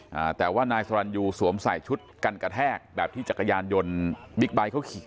อ่าแต่ว่านายสรรยูสวมใส่ชุดกันกระแทกแบบที่จักรยานยนต์บิ๊กไบท์เขาขี่